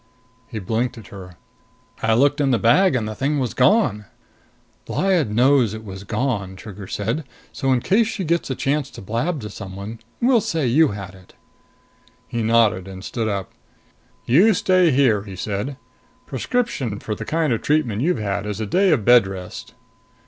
He blinked at her. "I looked in the bag, and the thing was gone." "Lyad knows it was gone," Trigger said. "So in case she gets a chance to blab to someone, we'll say you had it." He nodded and stood up. "You stay here," he said. "Prescription for the kind of treatment you've had is a day of bed rest."